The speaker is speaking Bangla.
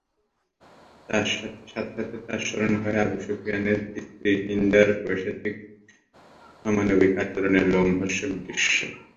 সাথে সাথে তার স্মরণ হয় আবু সুফিয়ানের স্ত্রী হিন্দার পৈশাচিক অমানবিক আচরণের লোমহর্ষক দৃশ্য।